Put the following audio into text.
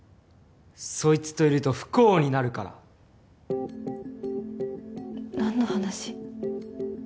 そいつといると不幸になるから何の話？